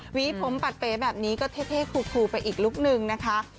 หวีภูมิผมปัดเปรตแบบนี้ก็เท่คลุไปอีกลุ๊กหนึ่งนะคะ